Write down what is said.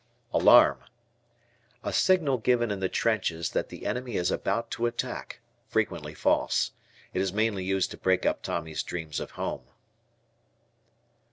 Alarm. A signal given in the trenches that the enemy is about to attack, frequently false. It is mainly used to break up Tommy's dreams of home.